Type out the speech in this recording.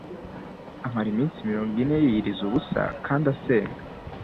Amara iminsi mirongo ine yiyiriza ubusa kandi asenga.